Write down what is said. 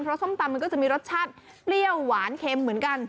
เพราะส้มตำมันก็จะมีรสชาติเปรี้ยวหวานเค็มเหมือนกัน